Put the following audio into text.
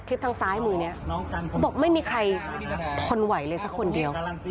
ทางซ้ายมือนี้เขาบอกไม่มีใครทนไหวเลยสักคนเดียว